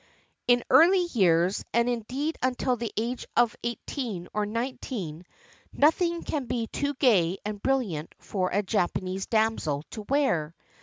In early years, and, indeed, until the age of eighteen or nineteen, nothing can be too gay and brilliant for a Japanese damsel to wear.